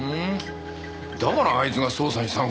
だからあいつが捜査に参加してるのか。